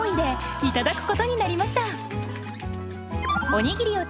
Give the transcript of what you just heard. おにぎりだ！